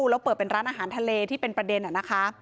แล้วเปิดเป็นร้านอาหารทะเลที่เป็นประเด็นนะคะ